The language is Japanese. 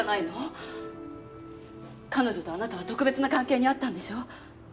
彼女とあなたは特別な関係にあったんでしょ？